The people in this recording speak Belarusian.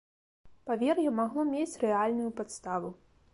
Павер'е магло мець рэальную падставу.